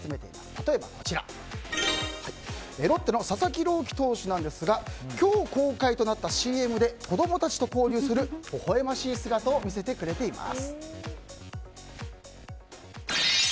例えば、ロッテの佐々木朗希投手なんですが今日公開となったＣＭで子供たちと交流するほほ笑ましい姿を見せてくれています。